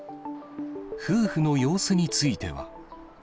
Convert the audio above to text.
夫婦の様子については。